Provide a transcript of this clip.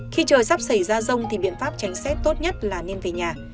khi trời sắp xảy ra rông thì biện pháp tránh xét tốt nhất là nên về nhà